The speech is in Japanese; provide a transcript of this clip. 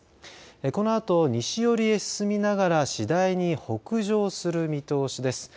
このあと西寄りへ進みながら次第に北上する見通しです。